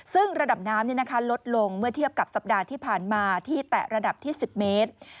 ซึ่งระดับน้ำลดลงเมื่อเทียบกับสัปดาห์ที่ผ่านมาที่แตะระดับที่๑๐เมตร